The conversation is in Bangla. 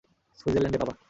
সুইজারল্যান্ডে, বাবা।